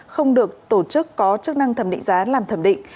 không được tổ chức có chức năng thẩm định giá làm thẩm định